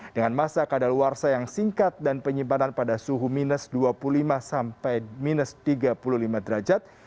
dengan masa kadal warsa yang singkat dan penyimpanan pada suhu minus dua puluh lima sampai minus tiga puluh lima derajat